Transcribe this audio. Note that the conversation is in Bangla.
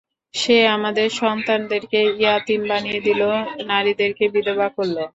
সে আমাদের সন্তানদেরকে ইয়াতীম বানিয়ে দিল, নারীদেরকে বিধবা করল।